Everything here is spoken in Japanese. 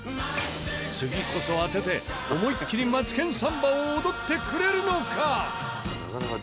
次こそ当てて思いっきり『マツケンサンバ』を踊ってくれるのか？